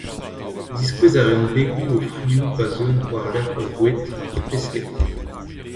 Diskouez a reont begoù o frioù pa zeuont war-lerc’h o boued, ar pesked !